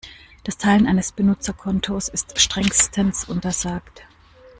Das Teilen eines Benutzerkontos ist strengstens untersagt.